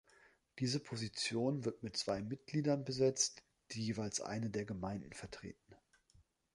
Diese Position wird mit zwei Mitgliedern besetzt, die jeweils eine der Gemeinden vertreten.